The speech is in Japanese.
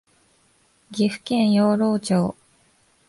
岐阜県養老町